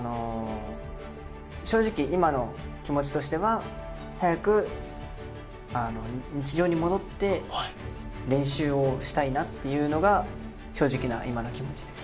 正直今の気持ちとしては早く日常に戻って練習をしたいなっていうのが正直な今の気持ちです。